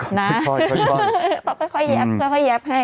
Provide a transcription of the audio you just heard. ต้องค่อยแยบให้